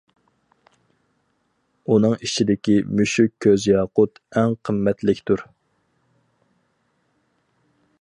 ئۇنىڭ ئىچىدىكى «مۈشۈك كۆز ياقۇت» ئەڭ قىممەتلىكتۇر.